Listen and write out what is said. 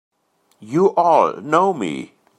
You all know me!